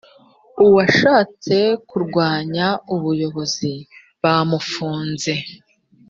uwashatse kurwanya ubuyobozi bamufunze